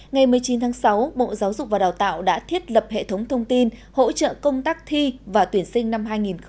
ngày một mươi chín tháng sáu bộ giáo dục và đào tạo đã thiết lập hệ thống thông tin hỗ trợ công tác thi và tuyển sinh năm hai nghìn hai mươi